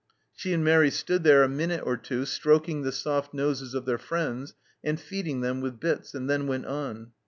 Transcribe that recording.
She and Mairi stood there a minute or two stroking the soft noses of their friends and feeding them with bits, and then went on.